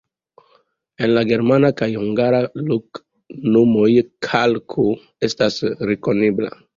En la germana kaj hungara loknomoj kalko estas rekonebla.